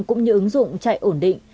cũng như ứng dụng chạy ổn định